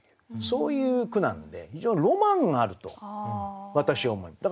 そういう句なんで非常にロマンがあると私は思います。